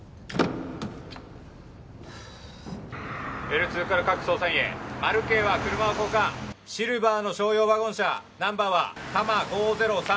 Ｌ２から各捜査員へマルケイは車を交換シルバーの商用ワゴン車ナンバーは多摩５０３